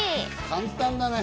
簡単だね。